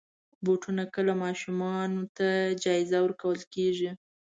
بوټونه کله ماشومانو ته جایزه ورکول کېږي.